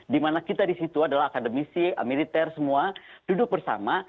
dimana kita di situ adalah akademisi militer semua duduk bersama